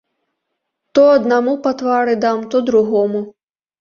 То аднаму па твары дам, то другому.